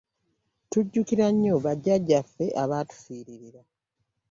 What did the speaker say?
Tujjukira nnyo ba jjajjaffe abaatufiirira.